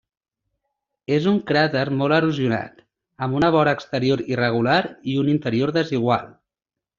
És un cràter molt erosionat, amb una vora exterior irregular i un interior desigual.